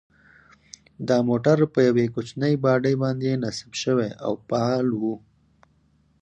دا موټر په یوې کوچنۍ باډۍ باندې نصب شوی او فعال و.